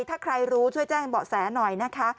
ถ้าใครรู้ช่วยแจ้งเบาะแสหน่อยนะคะ